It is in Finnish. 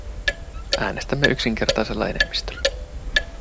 Äänestämme yksinkertaisella enemmistöllä.